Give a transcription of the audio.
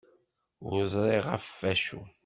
Ur ẓriɣ ɣef acu.